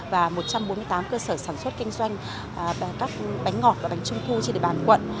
và một trăm bốn mươi tám cơ sở sản xuất kinh doanh các bánh ngọt và bánh trung thu trên địa bàn quận